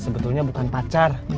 sebetulnya bukan pacar